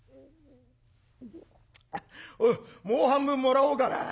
「おうもう半分もらおうかな。